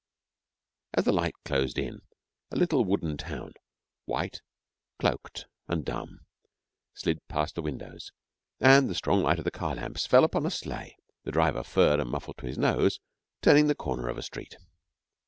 As the light closed in, a little wooden town, white, cloaked, and dumb, slid past the windows, and the strong light of the car lamps fell upon a sleigh (the driver furred and muffled to his nose) turning the corner of a street.